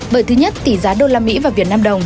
bởi thứ nhất tỷ giá đô la mỹ và việt nam đồng